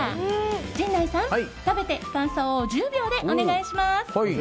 陣内さん、食べて感想を１０秒でお願いします！